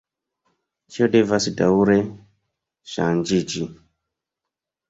Ĉio devas daŭre ŝanĝiĝi.